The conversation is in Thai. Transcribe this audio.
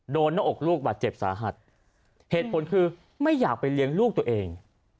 หน้าอกลูกบาดเจ็บสาหัสเหตุผลคือไม่อยากไปเลี้ยงลูกตัวเอง